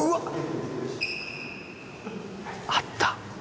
あった。